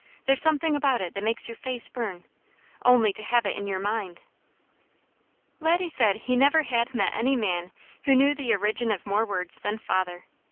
There's something about it that makes your face burn, only to have it in your mind. Laddie said he never had met any man who knew the origin of more words than father.